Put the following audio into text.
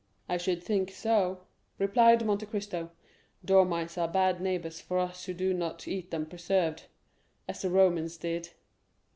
"Indeed, I should think not," replied Monte Cristo; "dormice are bad neighbors for us who do not eat them preserved, as the Romans did."